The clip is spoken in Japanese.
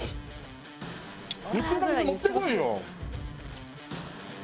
普通の水持ってこいよ。